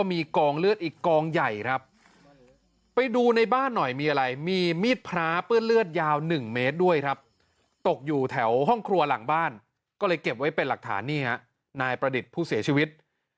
มีกองเลือดอีกกองใหญ่ครับไปดูในบ้านหน่อยมีอะไรมีมีดพระเปื้อนเลือดยาว๑เมตรด้วยครับตกอยู่แถวห้องครัวหลังบ้านก็เลยเก็บไว้เป็นหลักฐานนี่ฮะนายประดิษฐ์ผู้เสียชีวิต